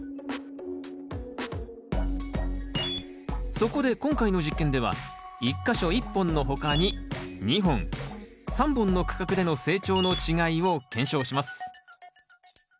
そこで今回の実験では１か所１本の他に２本３本の区画での成長の違いを検証します。